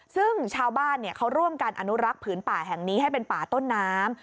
ซึ่งชาวบ้านเขาร่วมกันอนุรักษ์ผืนป่าแห่งนี้ให้เป็นป่าต้นน้ำ